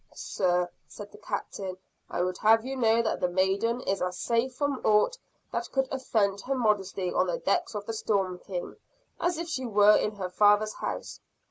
"Sir!" said the Captain, "I would have you know that the maiden is as safe from aught that could offend her modesty on the decks of the "Storm King," as if she were in her father's house."